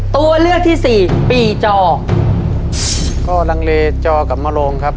ตัวเลือกที่สี่ปีจอก็ลังเลจอกับมโรงครับ